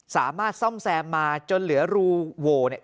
สามารถซ่อมแซมมาจนเหลือรูโหวเนี่ย